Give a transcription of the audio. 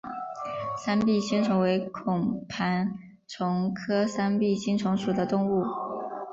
三臂星虫为孔盘虫科三臂星虫属的动物。